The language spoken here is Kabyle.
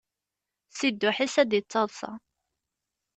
Si dduḥ-is ad d-yettaḍṣa.